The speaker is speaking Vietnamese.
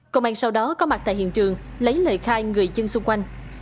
công an sau đó có mặt tại hiện trường lấy lời khai người dân xung quanh